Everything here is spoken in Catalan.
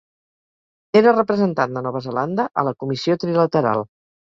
Era representant de Nova Zelanda a la Comissió Trilateral.